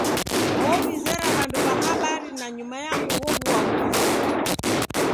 Ow'izera w'andu w'a habari nanyuma ya ugho w'uamuzi.